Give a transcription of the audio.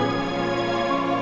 aku mau makan